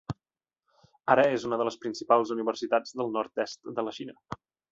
Ara és una de les principals universitats del nord-est de la Xina.